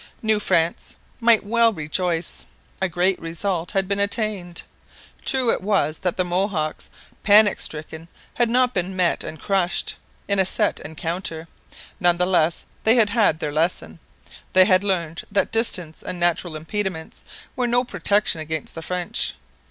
New France might well rejoice. A great result had been attained. True it was that the Mohawks, panic stricken, had not been met and crushed. in a set encounter. None the less they had had their lesson. They had learned that distance and natural impediments were no protection against the French.